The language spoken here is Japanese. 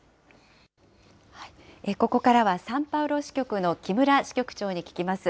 ここからはサンパウロ支局の木村支局長に聞きます。